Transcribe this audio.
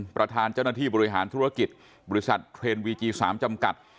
ประธานเจ้าหน้าที่บริหารธุรกิจบริษัทเทรนด์วีจี๓จำกัด